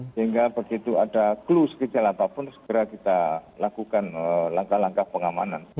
sehingga begitu ada clue sekejal apapun segera kita lakukan langkah langkah pengamanan